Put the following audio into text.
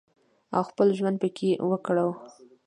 او خپل ژوند پکې وکړو